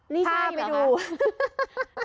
นี่ใช่หรอคะ